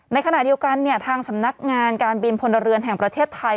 ในขณะเดียวกันทางสำนักงานการบินพลเรือนแห่งประเทศไทย